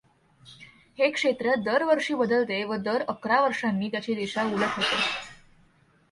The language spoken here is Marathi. हे क्षेत्र दर वर्षी बदलते व दर अकरा वर्षांनी त्याची दिशा उलट होते.